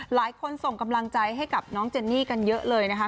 ส่งกำลังใจให้กับน้องเจนนี่กันเยอะเลยนะคะ